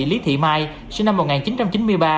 lý thị mai sinh năm một nghìn chín trăm chín mươi ba